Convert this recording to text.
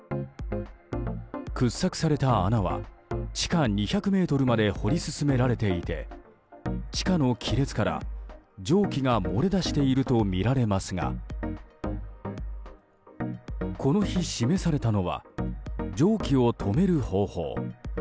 掘削された穴は地下２００ｍまで掘り進められていて地下の亀裂から蒸気が漏れ出しているとみられますがこの日、示されたのは蒸気を止める方法。